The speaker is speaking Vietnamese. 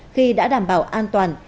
khi đã đảm bảo an toàn